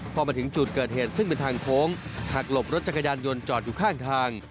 พอมาถึงจุดเกิดเหตุซึ่งเป็นทางโค้งหักหลบรถจักรยานยนต์จอดอยู่ข้างทาง